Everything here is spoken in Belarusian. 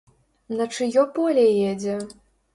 На чыё поле едзе?